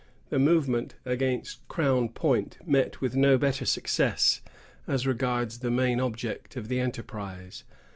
The movement against Crown Point met with no better success, as regards the main object of the enterprise.